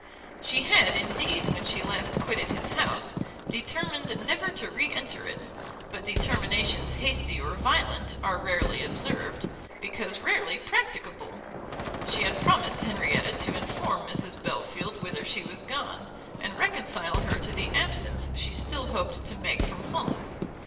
She had, indeed, when she last quitted his house, determined never to re enter it; but determinations hasty or violent, are rarely observed, because rarely practicable; she had promised Henrietta to inform Mrs Belfield whither she was gone, and reconcile her to the absence she still hoped to make from home.